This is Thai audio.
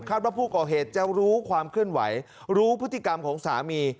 ว่าผู้ก่อเหตุจะรู้ความเคลื่อนไหวรู้พฤติกรรมของสามี